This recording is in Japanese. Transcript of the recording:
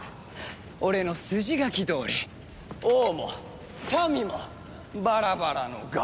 俺の筋書きどおり王も民もバラバラのガッタガタ。